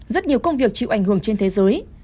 rất nhiều công việc chịu ảnh hưởng trên thế giới